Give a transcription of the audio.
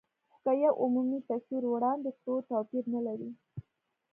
خو که یو عمومي تصویر وړاندې کړو، توپیر نه لري.